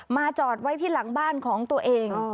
จอดไว้ที่หลังบ้านของตัวเอง